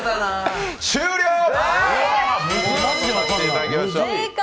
終了！